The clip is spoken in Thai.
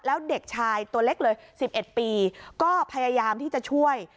แล้วเด็กชายตัวเล็กเลย๑๑ปีก็พยายามที่จะช่วย